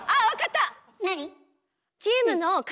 何？